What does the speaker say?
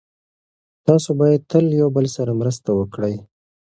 تاسو باید تل یو بل سره مرسته وکړئ.